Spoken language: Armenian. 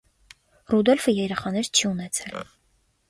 Ռուդոլֆը երեխաներ չի ունեցել։